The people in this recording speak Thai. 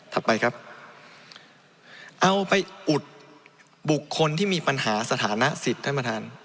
ไปครับเอาไปอุดบุคคลที่มีปัญหาสถานะสิทธิ์ท่านประธาน